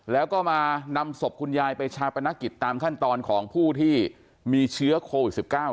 แล้วก็มานำศพคุณยายไปชาปนกิจตามขั้นตอนของผู้ที่มีเชื้อโควิด๑๙